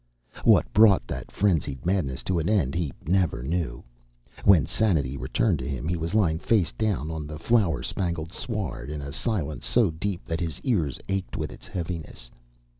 What brought that frenzied madness to an end he never knew. When sanity returned to him he was lying face down on the flower spangled sward in a silence so deep that his ears ached with its heaviness.